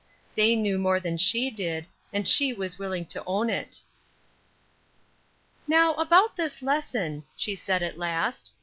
They knew more than she did, and she was willing to own it. "Now about this lesson," she said, at last.